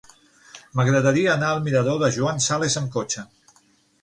M'agradaria anar al mirador de Joan Sales amb cotxe.